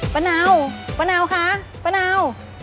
เนาป้าเนาคะป้าเนา